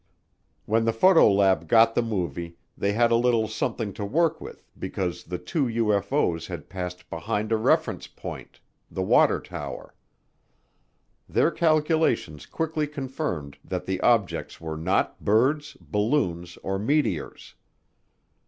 When the photo lab got the movie, they had a little something to work with because the two UFO's had passed behind a reference point, the water tower. Their calculations quickly confirmed that the objects were not birds, balloons, or meteors.